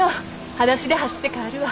はだしで走って帰るわ。